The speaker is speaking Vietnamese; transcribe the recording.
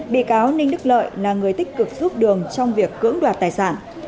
bị cáo ninh đức lợi là người tích cực giúp đường trong việc cưỡng đoạt tài sản